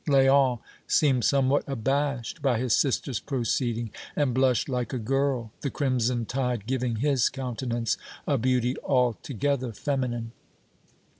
Léon seemed somewhat abashed by his sister's proceeding and blushed like a girl, the crimson tide giving his countenance a beauty altogether feminine.